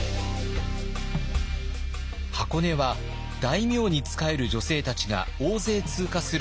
箱根は大名に仕える女性たちが大勢通過する場所でもありました。